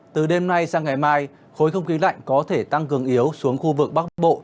từ đêm nay sang ngày mai khối không khí lạnh có thể tăng cường yếu xuống khu vực bắc bộ